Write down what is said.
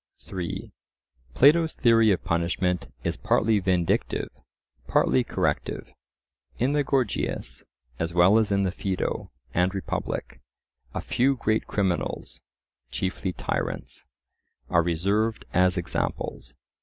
(3) Plato's theory of punishment is partly vindictive, partly corrective. In the Gorgias, as well as in the Phaedo and Republic, a few great criminals, chiefly tyrants, are reserved as examples.